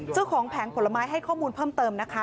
แผงผลไม้ให้ข้อมูลเพิ่มเติมนะคะ